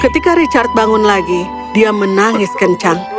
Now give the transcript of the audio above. ketika richard bangun lagi dia menangis kencang